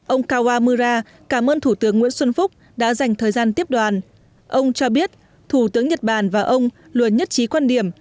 ông kawa mura cảm ơn thủ tướng nguyễn xuân phúc đã dành thời gian tiếp đoàn ông cho biết thủ tướng nhật bản và ông luôn nhất trí quan điểm